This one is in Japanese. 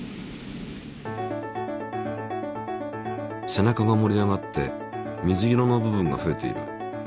背中が盛り上がって水色の部分が増えている。